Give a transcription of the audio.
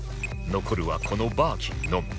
残るはこのバーキンのみ